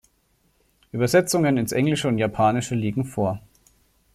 Übersetzungen ins Englische und Japanische liegen vor.